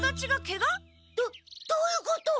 どどういうこと？